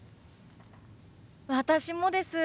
私もです。